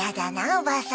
おばさん。